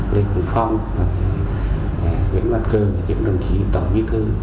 lê quỳnh phong nguyễn mặt cơ những đồng chí tổng giới thư